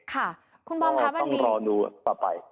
ค่ะคุณบอมค่ะต้องรอดูต่อไป